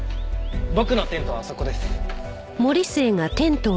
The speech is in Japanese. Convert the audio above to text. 僕のテントはあそこです。